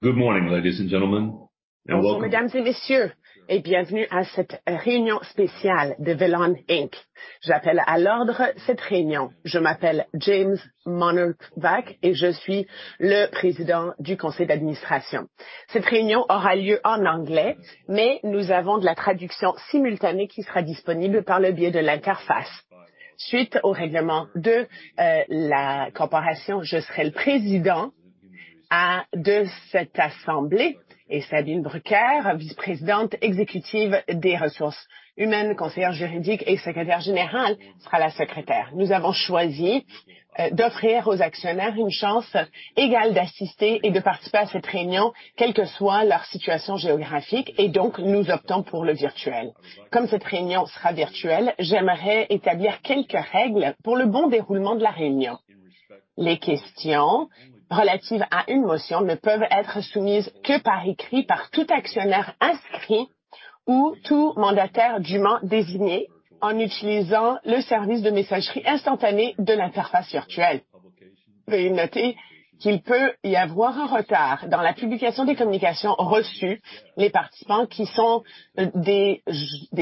Good morning, ladies and gentlemen, and welcome. Bonjour mesdames et messieurs, bienvenue à cette réunion spéciale de Velan Inc. J'appelle à l'ordre cette réunion. Je m'appelle James Mannebach et je suis le président du conseil d'administration. Cette réunion aura lieu en anglais, mais nous avons de la traduction simultanée qui sera disponible par le biais de l'interface. Suite au règlement de la corporation, je serai le président de cette assemblée et Sabine Bruckert, vice-présidente exécutive des ressources humaines, conseillère juridique et secrétaire générale, sera la secrétaire. Nous avons choisi d'offrir aux actionnaires une chance égale d'assister et de participer à cette réunion, quelle que soit leur situation géographique, et donc nous optons pour le virtuel. Comme cette réunion sera virtuelle, j'aimerais établir quelques règles pour le bon déroulement de la réunion. Les questions relatives à une motion ne peuvent être soumises que par écrit par tout actionnaire inscrit ou tout mandataire dûment désigné en utilisant le service de messagerie instantanée de l'interface virtuelle. Veuillez noter qu'il peut y avoir un retard dans la publication des communications reçues. Les participants qui sont des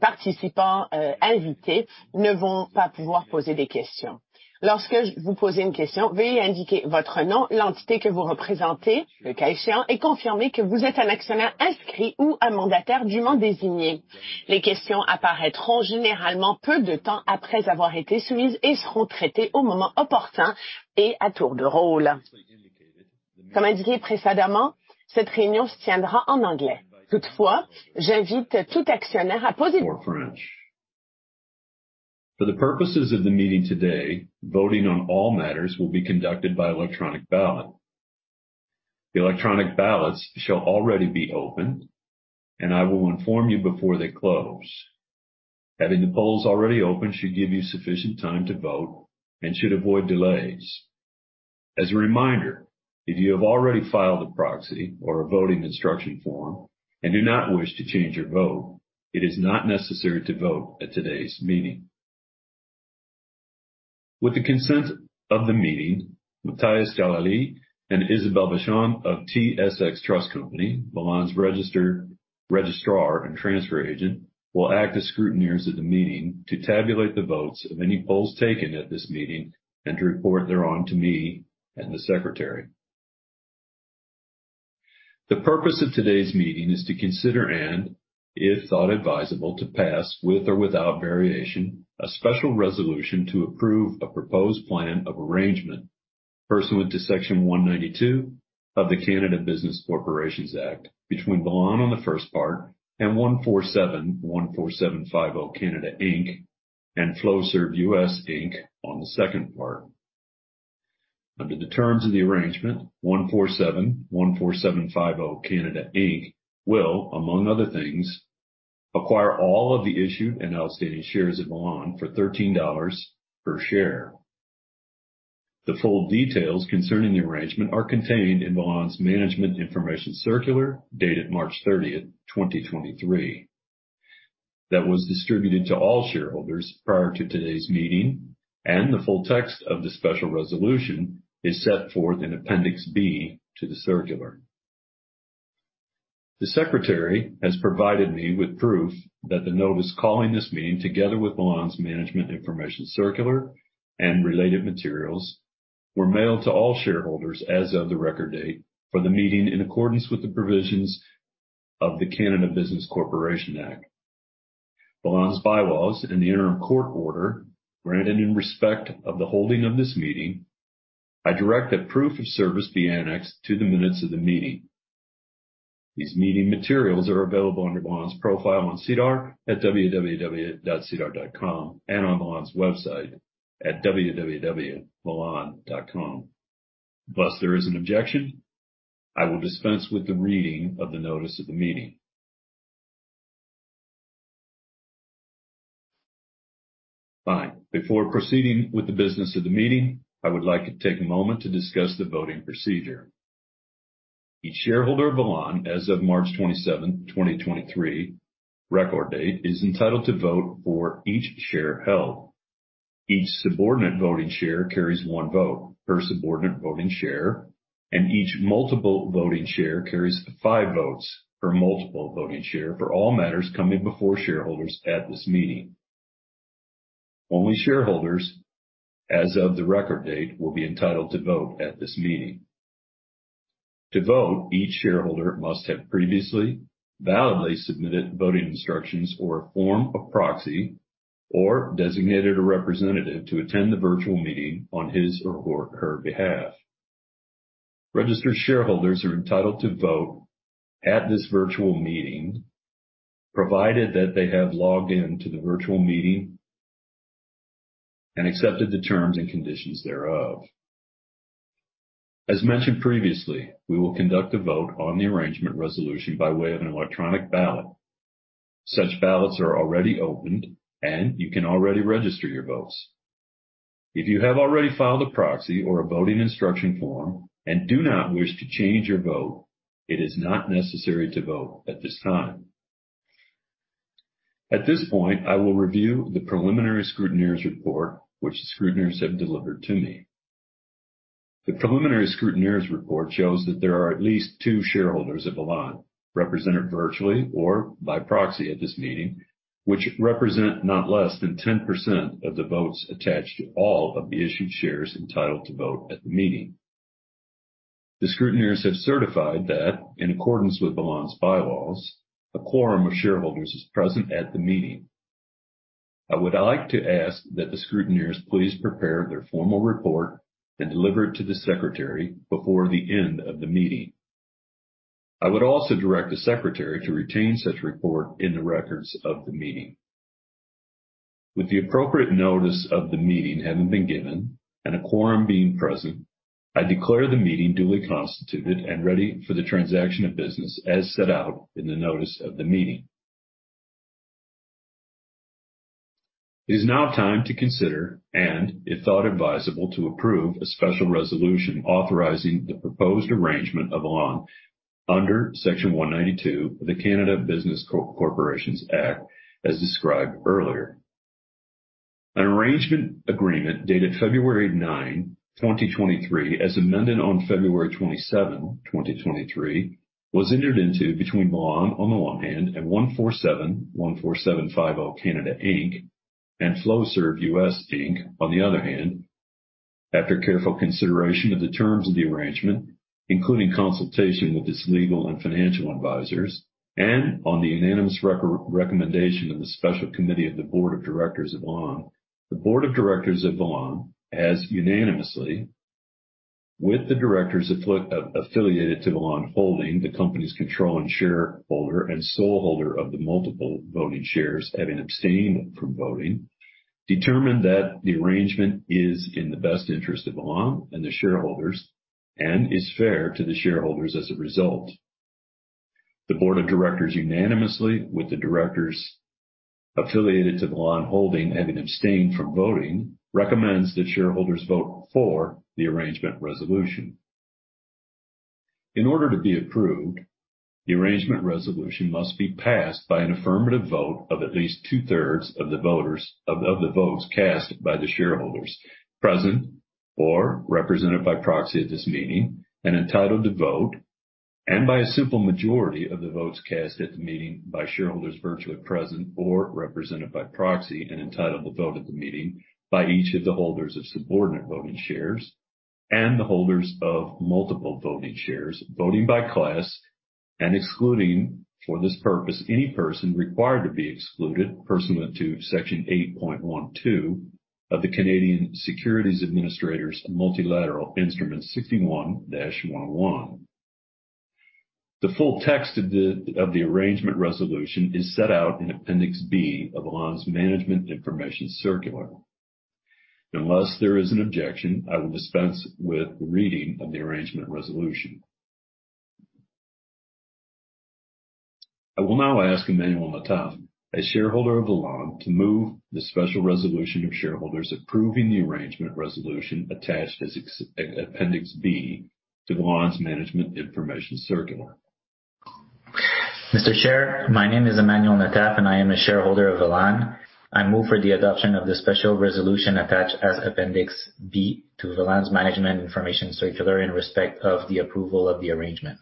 participants invités ne vont pas pouvoir poser des questions. Lorsque vous posez une question, veuillez indiquer votre nom, l'entité que vous représentez, le cas échéant, et confirmer que vous êtes un actionnaire inscrit ou un mandataire dûment désigné. Les questions apparaîtront généralement peu de temps après avoir été soumises et seront traitées au moment opportun et à tour de rôle. Comme indiqué précédemment, cette réunion se tiendra en anglais. Toutefois, j'invite tout actionnaire à poser. For the purposes of the meeting today, voting on all matters will be conducted by electronic ballot. The electronic ballots shall already be opened, and I will inform you before they close. Having the polls already open should give you sufficient time to vote and should avoid delays. As a reminder, if you have already filed a proxy or a voting instruction form and do not wish to change your vote, it is not necessary to vote at today's meeting. With the consent of the meeting, Matthias Jalali and Isabelle Vachon of TSX Trust Company, Velan's registrar and transfer agent, will act as scrutineers at the meeting to tabulate the votes of any polls taken at this meeting and to report thereon to me and the secretary. The purpose of today's meeting is to consider and, if thought advisable, to pass, with or without variation, a special resolution to approve a proposed plan of arrangement, pursuant to Section 192 of the Canada Business Corporations Act between Velan on the first part and 14714750 Canada Inc. and Flowserve US Inc on the second part. Under the terms of the arrangement, 14714750 Canada Inc. will, among other things, acquire all of the issued and outstanding shares of Velan for 13 dollars per share. The full details concerning the arrangement are contained in Velan's Management Information Circular, dated March 30th, 2023. That was distributed to all shareholders prior to today's meeting, and the full text of the special resolution is set forth in Appendix B to the circular. The secretary has provided me with proof that the notice calling this meeting, together with Velan's management information circular and related materials, were mailed to all shareholders as of the record date for the meeting in accordance with the provisions of the Canada Business Corporations Act. Velan's bylaws and the interim court order, granted in respect of the holding of this meeting, I direct that proof of service be annexed to the minutes of the meeting. These meeting materials are available under Velan's profile on SEDAR at www.sedar.com and on Velan's website at www.velan.com. There is an objection. I will dispense with the reading of the notice of the meeting. Fine. Before proceeding with the business of the meeting, I would like to take a moment to discuss the voting procedure. Each shareholder of Velan as of March 27th, 2023 record date, is entitled to vote for each share held. Each subordinate voting share carries one vote per subordinate voting share, and each multiple voting share carries five votes per multiple voting share for all matters coming before shareholders at this meeting. Only shareholders as of the record date will be entitled to vote at this meeting. To vote, each shareholder must have previously validly submitted voting instructions or a form of proxy, or designated a representative to attend the virtual meeting on his or her behalf. Registered shareholders are entitled to vote at this virtual meeting, provided that they have logged in to the virtual meeting and accepted the terms and conditions thereof. As mentioned previously, we will conduct a vote on the arrangement resolution by way of an electronic ballot. Such ballots are already opened and you can already register your votes. If you have already filed a proxy or a voting instruction form and do not wish to change your vote, it is not necessary to vote at this time. At this point, I will review the preliminary scrutineers' report, which the scrutineers have delivered to me. The preliminary scrutineers' report shows that there are at least two shareholders of Velan represented virtually or by proxy at this meeting, which represent not less than 10% of the votes attached to all of the issued shares entitled to vote at the meeting. The scrutineers have certified that in accordance with Velan's bylaws, a quorum of shareholders is present at the meeting. I would like to ask that the scrutineers please prepare their formal report and deliver it to the secretary before the end of the meeting. I would also direct the secretary to retain such report in the records of the meeting. With the appropriate notice of the meeting having been given and a quorum being present, I declare the meeting duly constituted and ready for the transaction of business as set out in the notice of the meeting. It is now time to consider, and if thought advisable, to approve a special resolution authorizing the proposed arrangement of Velan under Section 192 of the Canada Business Corporations Act, as described earlier. An arrangement agreement dated February 9, 2023, as amended on February 27, 2023, was entered into between Velan on the one hand, and 14714750 Canada Inc. And Flowserve US Inc. on the other hand. After careful consideration of the terms of the arrangement, including consultation with its legal and financial advisors, and on the unanimous recommendation of the special committee of the Board of Directors of Velan. The Board of Directors of Velan has unanimously, with the directors affiliated to Velan holding the company's control and shareholder, and sole holder of the multiple voting shares, having abstained from voting, determined that the arrangement is in the best interest of Velan and the shareholders, and is fair to the shareholders as a result. The Board of Directors unanimously, with the directors affiliated to Velan holding, having abstained from voting, recommends that shareholders vote for the arrangement resolution. In order to be approved, the arrangement resolution must be passed by an affirmative vote of at least two thirds of the votes cast by the shareholders present or represented by proxy at this meeting and entitled to vote. By a simple majority of the votes cast at the meeting by shareholders virtually present or represented by proxy and entitled to vote at the meeting by each of the holders of subordinate voting shares and the holders of multiple voting shares. Voting by class and excluding, for this purpose, any person required to be excluded pursuant to Section 8.1(2) of the Canadian Securities Administrators Multilateral Instrument 61-101. The full text of the arrangement resolution is set out in Appendix B of Velan's management information circular. Unless there is an objection, I will dispense with the reading of the Arrangement Resolution. I will now ask Emmanuel Nataf, a shareholder of Velan, to move the Special Resolution of shareholders approving the Arrangement Resolution attached as Appendix B to Velan's Management Information Circular. Mr. Chair. My name is Emmanuel Nataf, I am a shareholder of Velan. I move for the adoption of the special resolution attached as Appendix B to Velan's Management Information Circular in respect of the approval of the arrangement.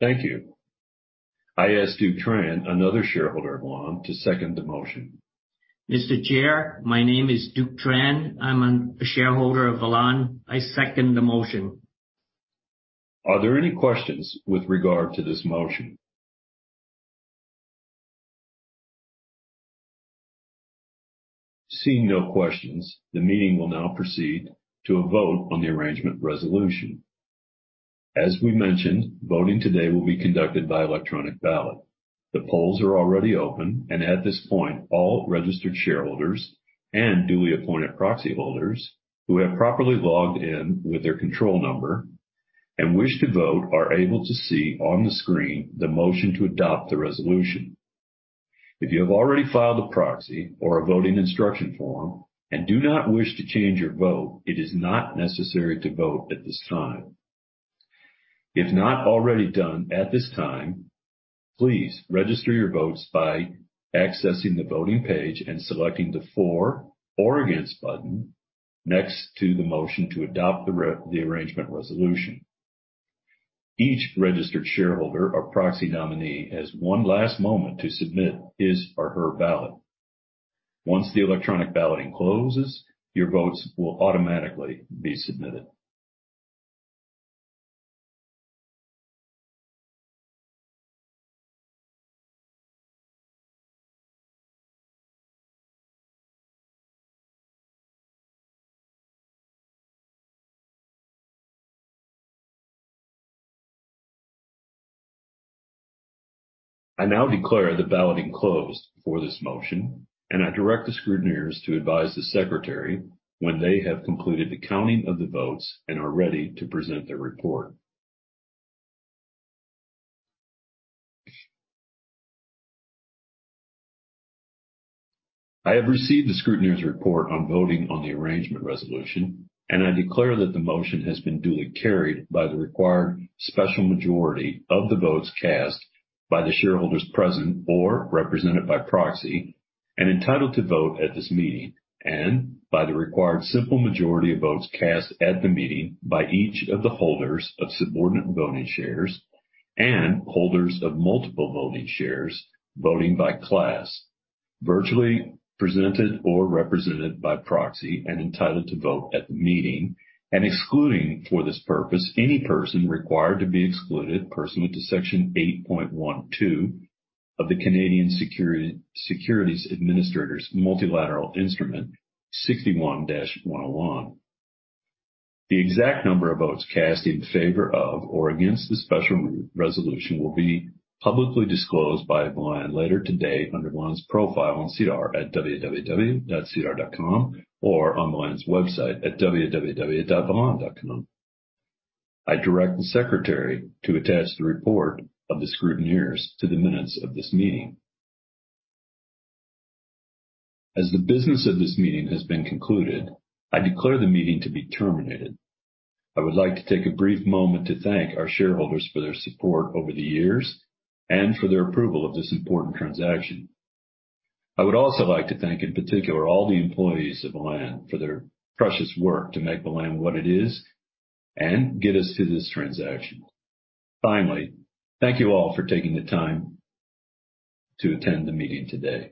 Thank you. I ask Duc Tran, another shareholder of Velan, to second the motion. Mr. Chair, my name is Duc Tran. I'm a shareholder of Velan. I second the motion. Are there any questions with regard to this motion? Seeing no questions, the meeting will now proceed to a vote on the arrangement resolution. As we mentioned, voting today will be conducted by electronic ballot. The polls are already open, and at this point, all registered shareholders and duly appointed proxy holders who have properly logged in with their control number and wish to vote are able to see on the screen the motion to adopt the resolution. If you have already filed a proxy or a voting instruction form and do not wish to change your vote, it is not necessary to vote at this time. If not already done at this time, please register your votes by accessing the voting page and selecting the for or against button next to the motion to adopt the arrangement resolution. Each registered shareholder or proxy nominee has one last moment to submit his or her ballot. Once the electronic balloting closes, your votes will automatically be submitted. I now declare the balloting closed for this motion, I direct the scrutineers to advise the secretary when they have completed the counting of the votes and are ready to present their report. I have received the scrutineers report on voting on the arrangement resolution, I declare that the motion has been duly carried by the required special majority of the votes cast by the shareholders present or represented by proxy and entitled to vote at this meeting. By the required simple majority of votes cast at the meeting by each of the holders of Subordinate Voting Shares and holders of Multiple Voting Shares. Voting by class, virtually presented or represented by proxy and entitled to vote at the meeting. Excluding for this purpose, any person required to be excluded pursuant to Section 8.1(2) of the Canadian Securities Administrators Multilateral Instrument 61-101. The exact number of votes cast in favor of or against the special resolution will be publicly disclosed by Velan later today under Velan's profile on SEDAR at www.sedar.com or on Velan's website at www.velan.com. I direct the secretary to attach the report of the scrutineers to the minutes of this meeting. As the business of this meeting has been concluded, I declare the meeting to be terminated. I would like to take a brief moment to thank our shareholders for their support over the years and for their approval of this important transaction. I would also like to thank in particular all the employees of Velan for their precious work to make Velan what it is and get us to this transaction. Finally, thank you all for taking the time to attend the meeting today.